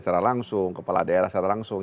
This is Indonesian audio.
secara langsung kepala daerah secara langsung